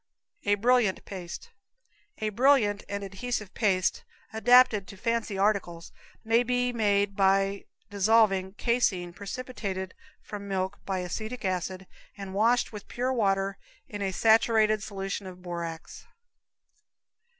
A Brilliant Paste. A brilliant and adhesive paste, adapted to fancy articles, may be made by dissolving caseine precipitated from milk by acetic acid and washed with pure water in a saturated solution of borax.